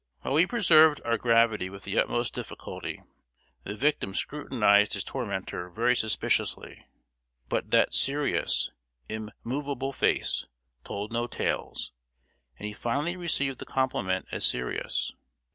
While we preserved our gravity with the utmost difficulty, the victim scrutinized his tormentor very suspiciously. But that serious, immovable face told no tales, and he finally received the compliment as serious.